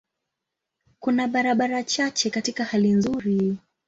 Kuna barabara chache katika hali nzuri.